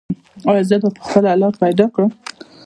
ایا زه به خپله لاره پیدا کړم؟